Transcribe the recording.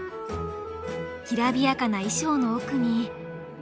きらびやかな衣装の奥に。